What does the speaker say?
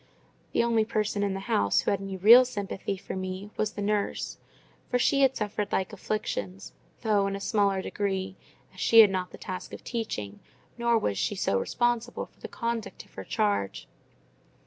The only person in the house who had any real sympathy for me was the nurse; for she had suffered like afflictions, though in a smaller degree; as she had not the task of teaching, nor was she so responsible for the conduct of her charge.